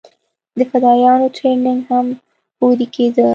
د فدايانو ټرېننگ هم هورې کېده.